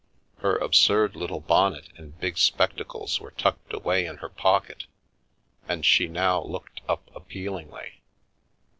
Her absurd little bonnet and big spectacles were tucked away in her pocket, and she now looked up appealingly.